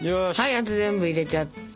あと全部入れちゃったら。